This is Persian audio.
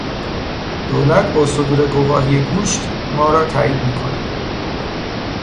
دولت با صدور گواهی گوشت ما را تایید میکند.